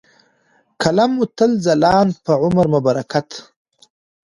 ، قلم مو تل ځلاند په عمر مو برکت .